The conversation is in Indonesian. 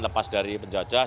lepas dari penjajah